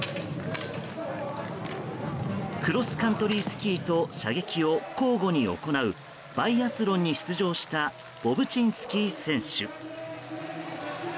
クロスカントリースキーと射撃を交互に行うバイアスロンに出場したボブチンスキー選手。